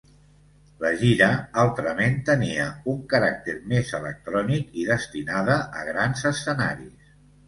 La gira, altrament, tenia un caràcter més electrònic i destinada a grans escenaris.